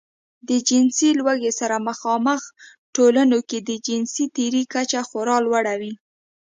د جنسي لوږې سره مخامخ ټولنو کې د جنسي تېري کچه خورا لوړه وي.